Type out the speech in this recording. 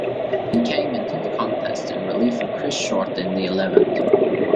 He came into the contest in relief of Chris Short in the eleventh.